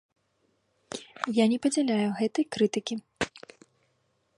Я не падзяляю гэтай крытыкі.